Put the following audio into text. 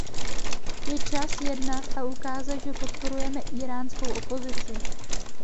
Je čas jednat a ukázat, že podporujeme íránskou opozici.